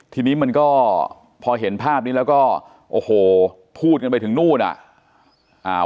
ทีนี้มันก็พอเห็นภาพนี้แล้วก็โอ้โหพูดกันไปถึงนู่นอ่ะอ่า